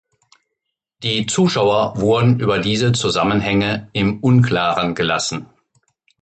Die Zuschauer wurden über diese Zusammenhänge im Unklaren gelassen.